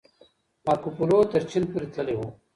مارکوپولو تر چين پورې تللی و.